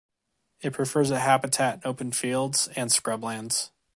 It prefers a habitat in open fields and scrublands.